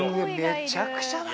めちゃくちゃだな。